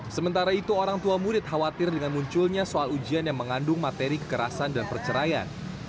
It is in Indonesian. sementara itu orang tua murid khawatir dengan munculnya soal ujian yang mengandung materi kekerasan dan perceraian